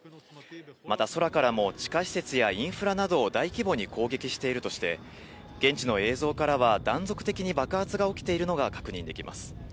また空からも地下施設やインフラなどを大規模に攻撃しているとして、現地の映像からは、断続的に爆発が起きているのが確認できます。